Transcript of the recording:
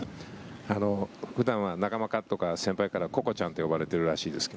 普段は仲間や先輩からここちゃんって呼ばれているらしいですが。